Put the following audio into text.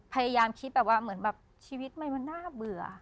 พยายามคิดผ่านชีวิตมันน่าเบื่อ